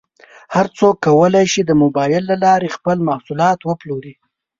هر څوک کولی شي د مبایل له لارې خپل محصولات وپلوري.